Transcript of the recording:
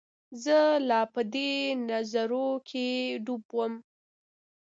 چې زۀ لا پۀ دې نظارو کښې ډوب ووم